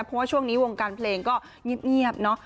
เพราะว่าช่วงนี้วงการเพลงก็เงียบเนอะ